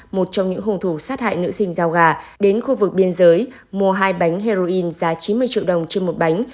một trong những hùng thủ sát hại nữ sinh giao gà đến khu vực biên giới mua hai bánh heroin giá chín mươi triệu đồng trên một bánh